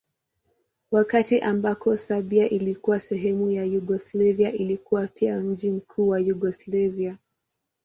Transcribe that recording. Wakati ambako Serbia ilikuwa sehemu ya Yugoslavia ilikuwa pia mji mkuu wa Yugoslavia.